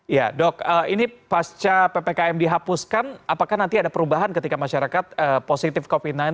ya dok ini pasca ppkm dihapuskan apakah nanti ada perubahan ketika masyarakat positif covid sembilan belas